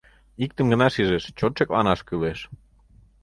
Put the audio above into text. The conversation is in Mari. Иктым гына шижеш: чот шекланаш кӱлеш.